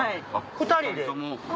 ２人で？